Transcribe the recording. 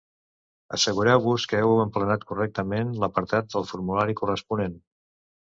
Assegureu-vos que heu emplenat correctament l'apartat del formulari corresponent.